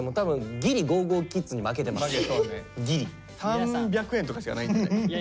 ３００円とかしかないんじゃない？